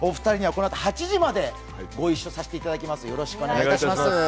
お二人にはこのあと８時までご一緒いただきます。